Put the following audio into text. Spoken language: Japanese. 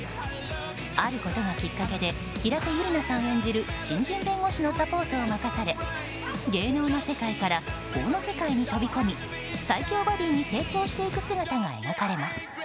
あることがきっかけで平手友梨奈さん演じる新人弁護士のサポートを任され芸能の世界から法の世界へ飛び込み最強バディに成長していく姿が描かれます。